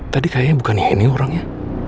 tadi kayaknya bukan ini orangnya